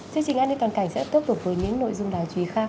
chương trình an ninh toàn cảnh sẽ tiếp tục với những nội dung đáo chí khác